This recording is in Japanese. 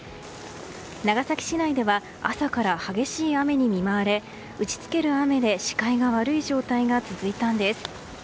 長崎市内では朝から激しい雨に見舞われ打ち付ける雨で視界が悪い状態が続いたんです。